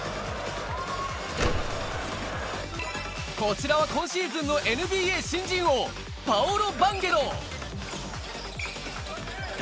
こちらは今シーズンのＮＢＡ新人王パオロ・バンケロ。